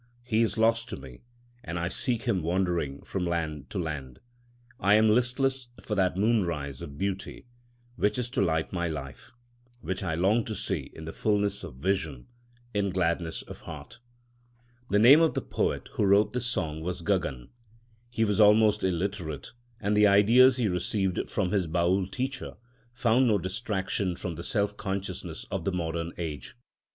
He is lost to me and I seek him wandering from land to land. I am listless for that moonrise of beauty, which is to light my life, which I long to see in the fulness of vision, in gladness of heart. The name of the poet who wrote this song was Gagan. He was almost illiterate; and the ideas he received from his Baül teacher found no distraction from the self consciousness of the modern age.